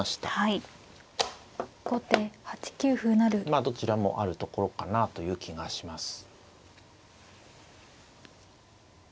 まあどちらもあるところかなという気がします。